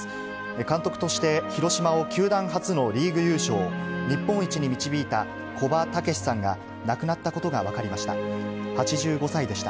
監督として、広島を球団初のリーグ優勝、日本一に導いた古葉竹識さんが亡くなったことが分かりました。